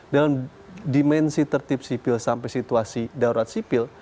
dalam dimensi tertib sipil sampai situasi darurat sipil